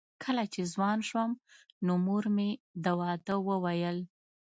کله چې ځوان شوم نو مور مې د واده وویل